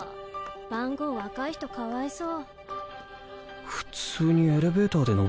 番号若い人かわいそう。